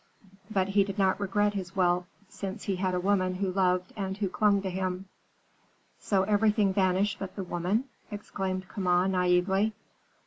But he did not regret his wealth, since he had a woman who loved and who clung to him." "So everything vanished but the woman!" exclaimed Kama, naïvely.